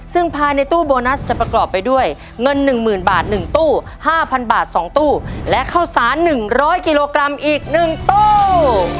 ซึ่งภายในตู้โบนัสจะประกอบไปด้วยเงิน๑๐๐๐บาท๑ตู้๕๐๐บาท๒ตู้และข้าวสาร๑๐๐กิโลกรัมอีก๑ตู้